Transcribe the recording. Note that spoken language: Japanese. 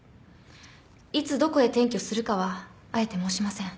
いつどこへ転居するかはあえて申しません。